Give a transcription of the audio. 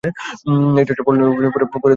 এই টেস্টের ফল নিয়ে পরে আলোচনা করা যাবে।